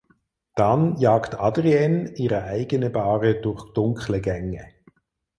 Dann jagt Adrienne ihre eigene Bahre durch dunkle Gänge.